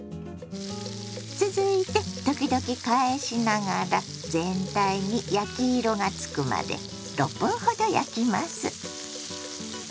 続いて時々返しながら全体に焼き色がつくまで６分ほど焼きます。